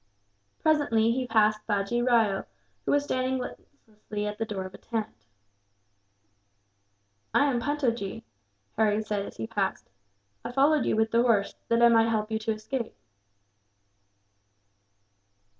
Presently he passed Bajee Rao, who was standing listlessly at the door of a tent. "I am Puntojee," Harry said, as he passed. "I followed you with the horse, that I might help you to escape."